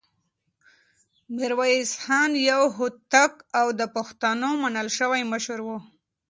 ميرويس خان يو هوتک او د پښتنو منل شوی مشر و.